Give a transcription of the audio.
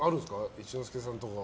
一之輔さんとか。